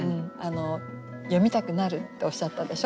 「読みたくなる」っておっしゃったでしょ？